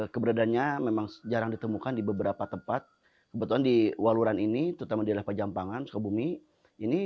terima kasih terima kasih